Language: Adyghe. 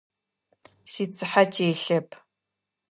Сицыхьэ телъэп.